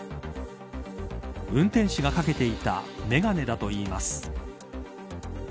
運転手がかけていた眼鏡だといいます。